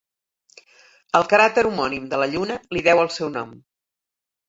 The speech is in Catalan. El cràter homònim de la Lluna li deu el seu nom.